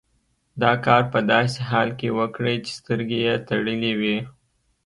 دا کار په داسې حال کې وکړئ چې سترګې یې تړلې وي.